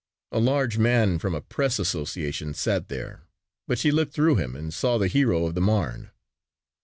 A large man from a press association sat there but she looked through him and saw the hero of the Marne.